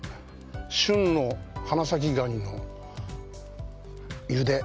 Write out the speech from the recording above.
旬の花咲ガニのゆで。